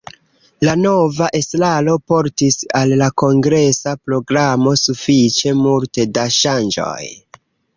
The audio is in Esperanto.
La nova estraro portis al la kongresa programo sufiĉe multe da ŝanĝoj.